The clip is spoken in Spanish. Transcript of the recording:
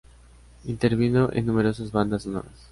Intervino en numerosas bandas sonoras.